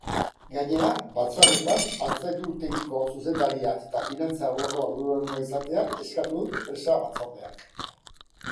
Gainera, batzarretan altzairutegietako zuzendaria eta finantza arloko arduraduna izatea eskatu du enpresa-batzordeak.